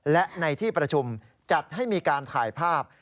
และในที่ประชุมจัดให้มีการถ่ายภาพ